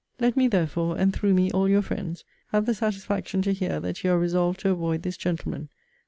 Let me, therefore, (and through me all your friends,) have the satisfaction to hear that you are resolved to avoid this gentleman.